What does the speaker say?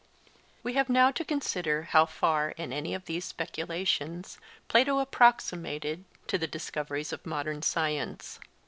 We have now to consider how far in any of these speculations Plato approximated to the discoveries of modern science.